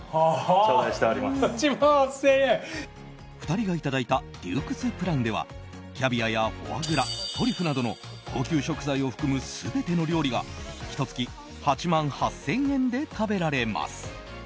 ２人がいただいたＤｅＬｕｘｅプランではキャビアやフォアグラトリュフなどの高級食材を含む全ての料理がひと月８万８０００円で食べられます。